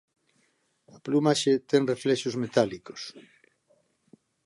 A plumaxe ten reflexos metálicos.